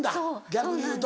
逆に言うと。